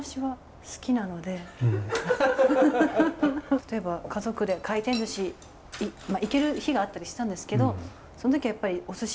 例えば家族で回転ずし行ける日があったりしたんですけどその時はやっぱりおすし